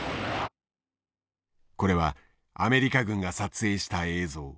これはアメリカ軍が撮影した映像。